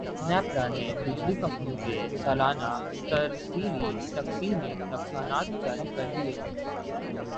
نیپرا نے بجلی کمپنیوں کے سالانہ ترسیلی تقسیمی نقصانات جاری کردیئے